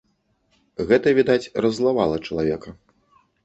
Гэта, відаць, раззлавала чалавека.